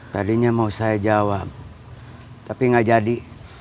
tadinya mau saya jawab tapi nggak jadi